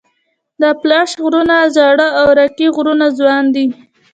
د اپلاش غرونه زاړه او راکي غرونه ځوان دي.